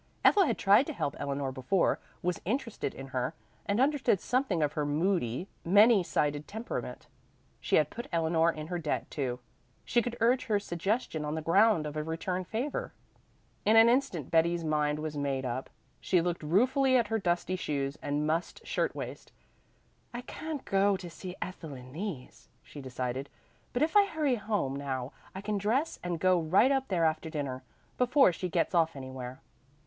Ethel had tried to help Eleanor before, was interested in her, and understood something of her moody, many sided temperament. She had put Eleanor in her debt too; she could urge her suggestion on the ground of a return favor. In an instant Betty's mind was made up. She looked ruefully at her dusty shoes and mussed shirt waist. "I can't go to see Ethel in these," she decided, "but if I hurry home now I can dress and go right up there after dinner, before she gets off anywhere."